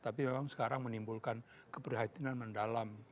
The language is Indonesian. tapi memang sekarang menimbulkan keprihatinan mendalam